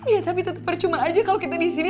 ya tapi tetep percuma aja kalo kita di sini